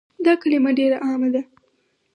دا کلمه ډيره عامه ده